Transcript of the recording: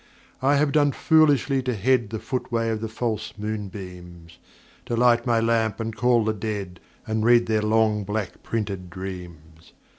I have done foolishly to tread TTie footway of the false moonbeams, To light my lamp and call the dead And read their long black printed dreams.